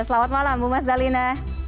selamat malam bu mas dalina